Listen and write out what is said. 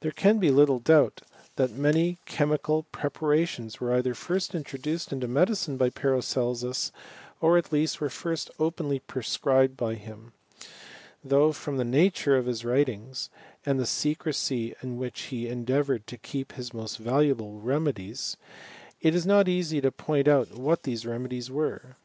There can be little doubt that many chemical prf^ CHEMISTRY OF I parations were either first introduced into medicine by Paracelsus, or al least were firat openly prescribed by hlia: tbough from the nature of his writings, and the tecrecy in which he endeavoured to keep his most Tiluable remedies, it is not easy to point out what fliese remedies were.